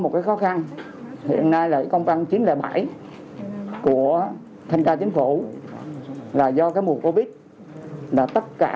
một cái khó khăn hiện nay lại công an chính là bãi của thanh ca chính phủ là do cái mùa có biết là tất cả